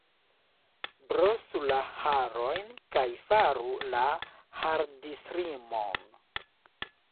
Brosu la harojn kaj faru la hardislimon!